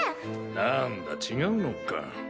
なんだ違うのか。